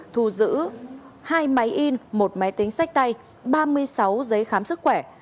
thu giữ hai máy in một máy tính sách tay ba mươi sáu giấy khám sức khỏe